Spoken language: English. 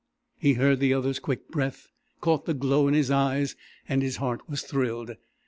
He heard the other's quick breath, caught the glow in his eyes, and his heart was thrilled.